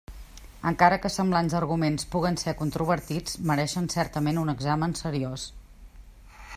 Encara que semblants arguments puguen ser controvertits, mereixen certament un examen seriós.